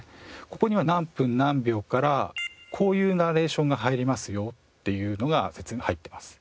ここには何分何秒からこういうナレーションが入りますよっていうのが説明入っています。